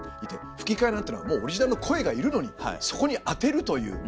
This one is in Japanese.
吹き替えなんていうのはもうオリジナルの声がいるのにそこに当てるという。